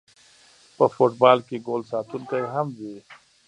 په فوټبال کې ګول ساتونکی هم وي